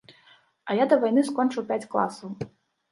А я да вайны скончыў пяць класаў.